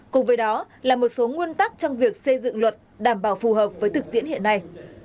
cùng với đó là một số nguyên tắc trong việc xây dựng luật đảm bảo phù hợp với thực tiễn hiện nay